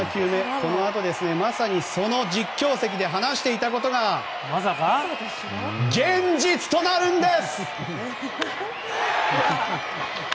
このあと、まさにその実況席で話していたことが現実となるんです！